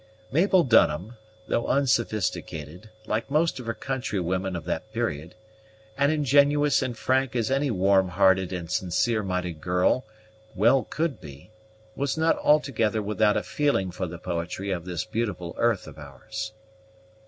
Mabel Dunham, though unsophisticated, like most of her countrywomen of that period, and ingenuous and frank as any warm hearted and sincere minded girl well could be, was not altogether without a feeling for the poetry of this beautiful earth of ours.